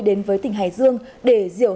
đến với tỉnh hải dương để